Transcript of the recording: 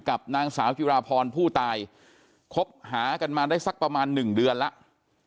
กับนางสาวจิราพรผู้ตายคบหากันมาได้สักประมาณหนึ่งเดือนแล้ว